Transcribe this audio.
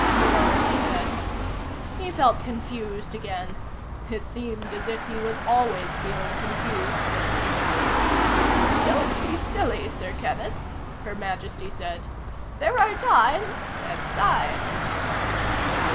Malone said. He felt confused again. It seemed as if he was always feeling confused lately. "Don't be silly, Sir Kenneth," Her Majesty said. "There are times and times."